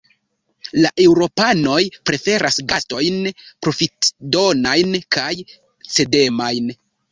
La eŭropanoj preferas gastojn profitdonajn kaj cedemajn.